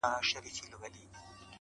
یوه سیوري ته دمه سو لکه مړی.!